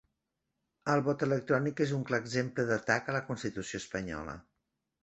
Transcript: El vot electrònic és un clar exemple d'atac a la constitució espanyola